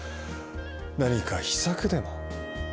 何か秘策でも？